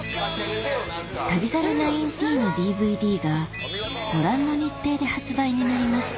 『旅猿１９』のＤＶＤがご覧の日程で発売になります